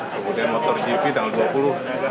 kemudian motogp tanggal dua puluh